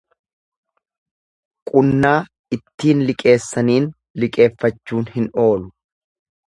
Qunnaa ittiin liqeessaniin liqeeffachuun hin oolu.